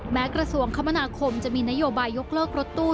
กระทรวงคมนาคมจะมีนโยบายยกเลิกรถตู้